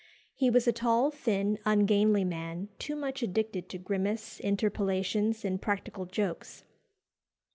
He was a tall, thin, ungainly man, too much addicted to grimace, interpolations, and practical jokes.